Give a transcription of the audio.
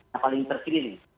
yang paling terkini nih